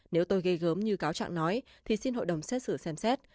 nếu tôi gây gớm như cáo chẳng nói thì xin hội đồng xét xử xem xét